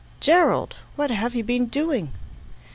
"Gerald, what have you been doing?"